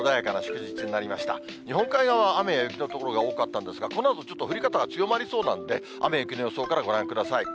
日本海側は雨や雪の所が多かったんですが、このあと、ちょっと降り方が強まりそうなんで、雨や雪の予想からご覧ください。